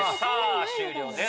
終了です。